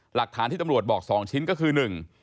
หลักฐานที่ตำรวจบอกสองชิ้นก็คือหนึ่ง